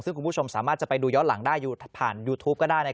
ซึ่งคุณผู้ชมสามารถจะไปดูย้อนหลังได้ผ่านยูทูปก็ได้